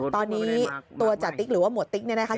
ตอนนี้ตัวจติ๊กหรือว่าหมวดติ๊กเนี่ยนะคะ